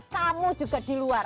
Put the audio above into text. kamu juga di luar